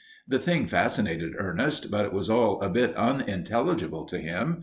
The thing fascinated Ernest, but it was all a bit unintelligible to him.